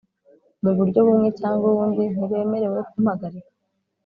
Muburyo bumwe cyangwa ubundi ntibemerewe kumpagarika